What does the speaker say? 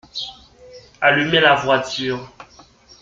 Allumer la voiture.